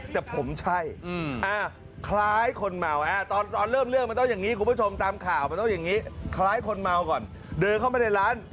แต่ผมใช่คล้ายคนเมาตอนเริ่มเรื่องมันต้องอย่างนี้คุณผู้ชมตามข่าวมันต้องอย่างนี้คล้ายคนเมาก่อนเดินเข้ามาในร้าน